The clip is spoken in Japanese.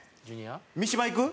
三島いく？